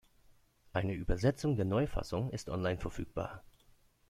Eine Übersetzung der Neufassung ist online verfügbar.